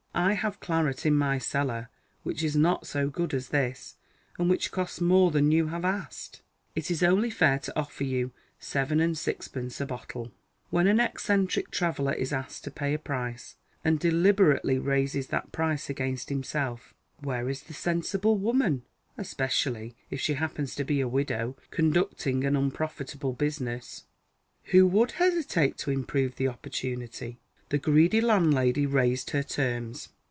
"I have claret in my cellar which is not so good as this, and which costs more than you have asked. It is only fair to offer you seven and sixpence a bottle." When an eccentric traveller is asked to pay a price, and deliberately raises that price against himself, where is the sensible woman especially if she happens to be a widow conducting an unprofitable business who would hesitate to improve the opportunity? The greedy landlady raised her terms.